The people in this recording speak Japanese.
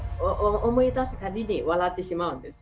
思い出すたびに笑ってしまうんです。